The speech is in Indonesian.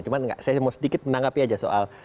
cuma saya mau sedikit menanggapi aja soal